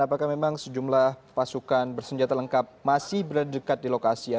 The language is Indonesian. apakah memang sejumlah pasukan bersenjata lengkap masih berdekat di lokasi atau pembantu itu akan dihukum